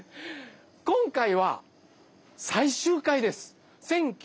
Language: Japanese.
今回は最終回です。